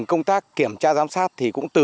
công tác kiểm tra giám sát thì cũng từ